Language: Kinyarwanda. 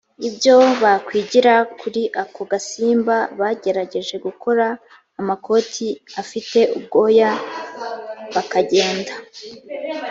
ibyo bakwigira kuri ako gasimba bagerageje gukora amakoti afite ubwoya bakagenda